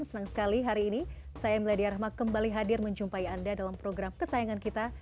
senang sekali hari ini saya meladya rahma kembali hadir menjumpai anda dalam program kesayangan kita